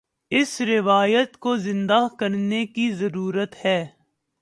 اس روایت کو زندہ کرنے کی ضرورت ہے۔